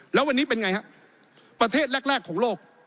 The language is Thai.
แล้ววันนี้เป็นไงฮะประเทศแรกของโลก